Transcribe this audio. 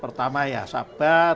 pertama ya sabar